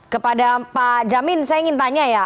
kepada pak jamin saya ingin tanya ya